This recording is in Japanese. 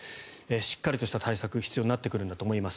しっかりとした対策が必要になってくると思います。